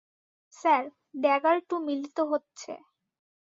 Sir, dagger two মিলিত হচ্ছে।